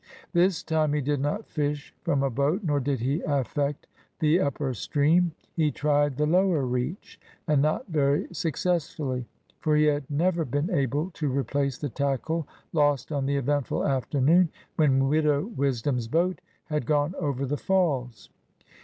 This time he did not fish from a boat, nor did he affect the upper stream. He tried the lower reach; and not very successfully. For he had never been able to replace the tackle lost on the eventful afternoon when Widow Wisdom's boat had gone over the falls.